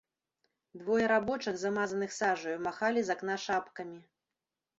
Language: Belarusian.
Двое рабочых, замазаных сажаю, махалі з акна шапкамі.